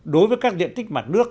đối với các diện tích mặt nước